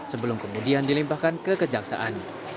sebelum kemudian dilimpahkan kekejaksaan